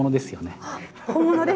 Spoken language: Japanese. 本物です。